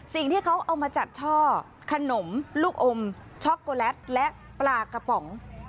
สิ่งที่เขาเอามาจัดช่อขนมลูกอมช็อกโกแลตและปลากระป๋อง